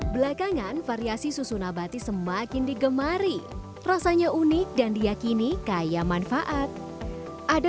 belakangan variasi susu nabati semakin digemari rasanya unik dan diakini kaya manfaat ada